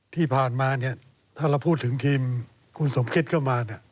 ที่ผ่านมาถ้าเราพูดถึงทีมคุณสมคิดเข้ามา